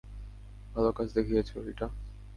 ভাল কাজ দেখিয়েছ, রিটা!